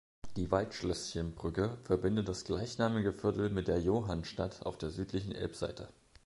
Die Waldschlößchenbrücke verbindet das gleichnamige Viertel mit der Johannstadt auf der südlichen Elbseite.